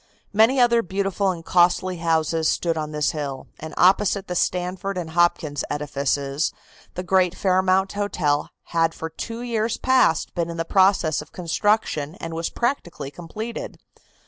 Many other beautiful and costly houses stood on this hill, and opposite the Stanford and Hopkins edifices the great Fairmount Hotel had for two years past been in process of construction and was practically completed.